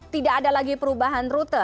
tidak ada lagi perubahan rute